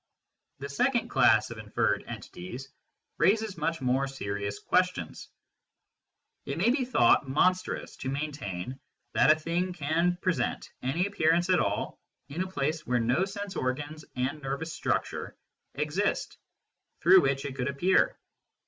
The second class of inferred entities raises much more serious ques tions. It may be thought monstrous to maintain that a thing can present any appearance at all in a place where no sense organs and nervous structure exist through which it could appear.